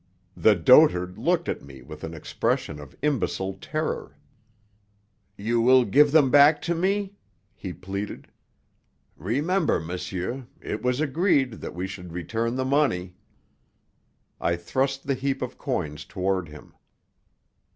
The dotard looked at me with an expression of imbecile terror. "You will give them back to me?" he pleaded. "Remember, monsieur, it was agreed that we should return the money." I thrust the heap of coins toward him.